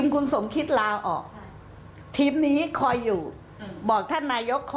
กลืนไม่เข้าคลายไม่ออก